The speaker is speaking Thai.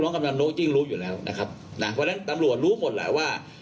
กำลังโน้จิ้งรู้อยู่แล้วนะครับนะเพราะฉะนั้นตำรวจรู้หมดแหละว่า